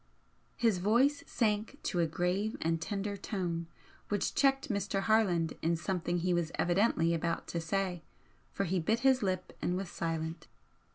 '" His voice sank to a grave and tender tone which checked Mr. Harland in something he was evidently about to say, for he bit his lip and was silent.